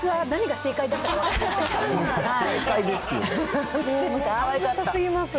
正解ですよ。